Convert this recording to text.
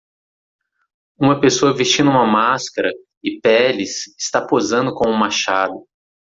Uma pessoa vestindo uma máscara e peles está posando com um machado.